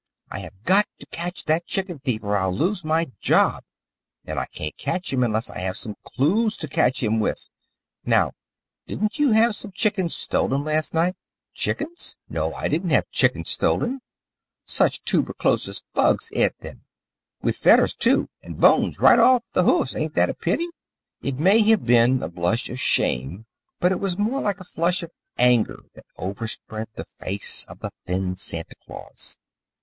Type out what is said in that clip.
I have got to catch that chicken thief or I'll lose my job, and I can't catch him unless I have some clues to catch him with. Now, didn't you have some chickens stolen last night?" "Chickens?" asked Mrs. Gratz. "No, I didn't have chickens stolen. Such toober chlosis bugs eat them. With fedders, too. And bones. Right off the hoofs, ain't it a pity?" It may have been a blush of shame, but it was more like a flush of anger, that overspread the face of the thin Santa Claus.